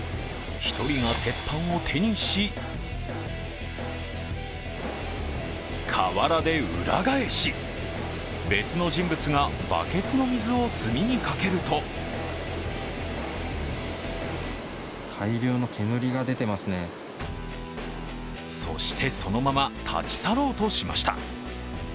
１人が鉄板を手にし河原で裏返し、別の人物がバケツの水を炭にかけるとそしてそのまま立ち去ろうとしました。